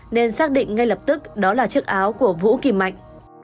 nên xác định ngay lập tức đó là chiếc áo của vũ kim mạnh